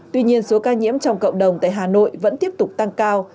tuy nhiên số ca nhiễm trong cộng đồng tại hà nội vẫn tiếp tục tăng cao